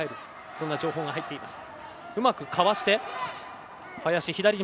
そんな情報が入っています。